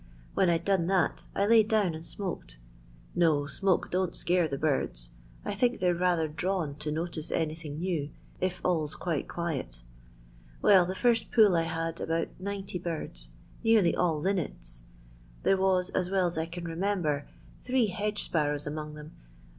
When I'd done that, I lay down and smoked. No, smoke don't scare the birds ; I think thoy 're rather drawn to notice anything new, if all 's quite quiet. Well, the first pull I had about 90 birds, nearly all linnets. There was, as well as I can remember, three hedge sparrows among them, and two larks, and one or two other birds.